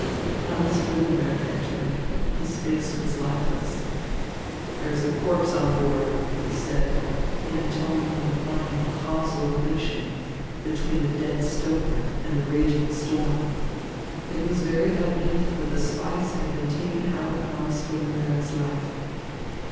Hans Füllenberg entered. His face was lifeless. "There is a corpse on board," he said, in a tone implying a causal relation between the dead stoker and the raging storm. It was very evident that the spice had been taken out of Hans Füllenberg's life.